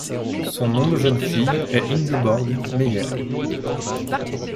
Son nom de jeune fille est Ingeborg Meyer.